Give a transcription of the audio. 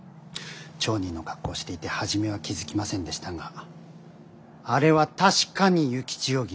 町人の格好をしていて初めは気付きませんでしたがあれは確かに幸千代君。